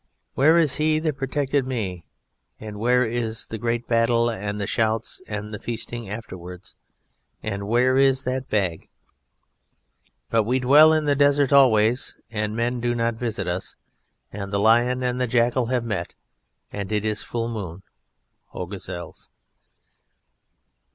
"Where is he that protected me and where is the great battle and the shouts and the feasting afterwards, and where is that bag?" "But we dwell in the desert always, and men do not visit us, and the lion and the jackal have met, and it is full moon, O gazelles!"